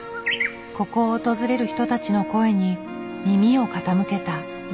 ここを訪れる人たちの声に耳を傾けた。